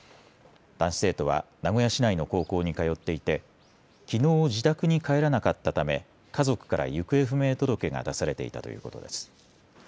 男子生徒は名古屋市内の高校に通っていてきのう自宅に帰らなかったため家族から行方不明届が出されていたということです。